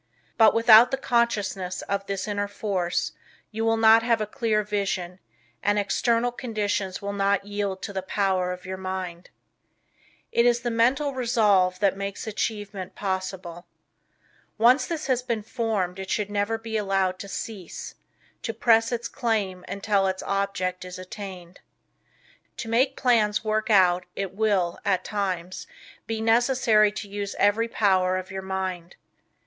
But without the consciousness of this inner force, you will not have a clear vision, and external conditions will not yield to the power of your mind. It is the mental resolve that makes achievement possible. Once this has been formed it should never be allowed to cease to press its claim until its object is attained. To make plans work out it will, at times, be necessary to use every power of your mind.